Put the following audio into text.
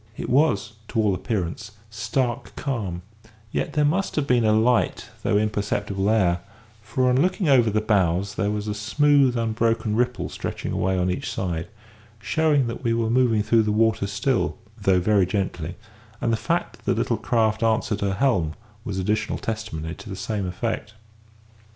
It was, to all appearance, stark calm; yet there must have been a light though imperceptible air, for on looking over the bows there was a smooth unbroken ripple stretching away on each side, showing that we were moving through the water still, though very gently; and the fact that the little craft answered her helm was additional testimony to the same effect.